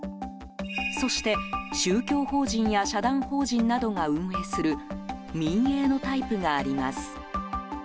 そして、宗教法人や社団法人などが運営する民営のタイプがあります。